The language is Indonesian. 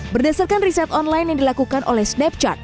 berdasarkan riset online yang dilakukan oleh snapchard